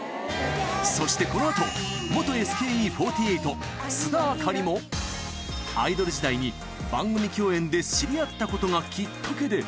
そしてこのあと、元ＳＫＥ４８・須田亜香里も、アイドル時代に番組共演で知り合ったことがきっかけで。